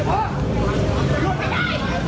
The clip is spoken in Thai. หยุด